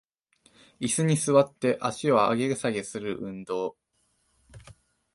イスに座って足を上げ下げする運動